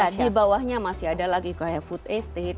ya di bawahnya masih ada lagi kayak food estate